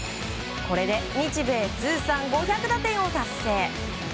これで日米通算５００打点を達成。